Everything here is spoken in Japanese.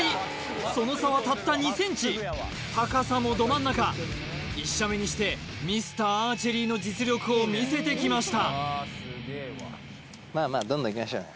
その差はたった２ｃｍ高さもど真ん中１射目にしてミスターアーチェリーの実力を見せてきました